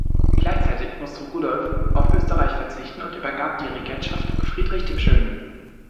Gleichzeitig musste Rudolf auf Österreich verzichten und übergab die Regentschaft Friedrich dem Schönen.